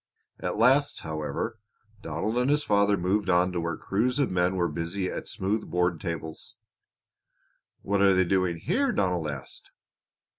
At last, however, Donald and his father moved on to where crews of men were busy at smooth board tables. "What are they doing here?" Donald asked.